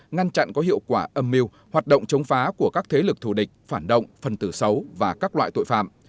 ngăn chặn có hiệu quả âm mưu hoạt động chống phá của các thế lực thù địch phản động phân tử xấu và các loại tội phạm